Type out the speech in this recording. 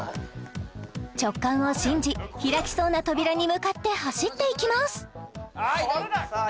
直感を信じ開きそうな扉に向かって走っていきますさあ